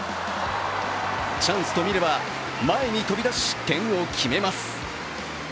チャンスと見れば、前に飛び出し点を決めます。